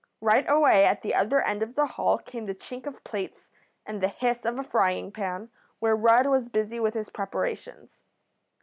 Right away at the other end of the hall came the chink of plates and the hiss of a frying pan where Rudd was busy with his preparations.